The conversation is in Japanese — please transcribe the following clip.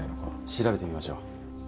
調べてみましょう。